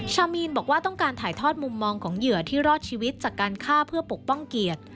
ชาวมีนบอกว่าต้องการถ่ายทอดมุมมองของเหยื่อที่รอดชีวิตจากการฆ่าเพื่อปกป้องเกียรติ